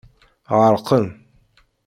Ɣerqen.